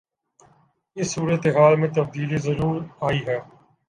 اس صورتحال میں تبدیلی ضرور آئی ہے۔